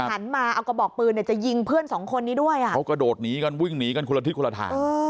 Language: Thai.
หันมาเอากระบอกปืนเนี่ยจะยิงเพื่อนสองคนนี้ด้วยอ่ะเขากระโดดหนีกันวิ่งหนีกันคนละทิศคนละทาง